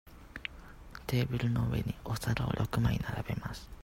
テーブルの上にお皿を六枚並べます。